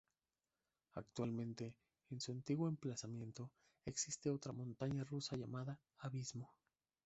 Actualmente, en su antiguo emplazamiento, existe otra montaña rusa llamada Abismo.